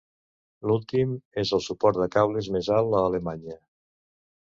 L'últim és el suport de cables més alt a Alemanya.